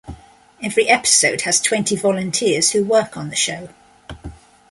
Every episode has twenty volunteers who work on the show.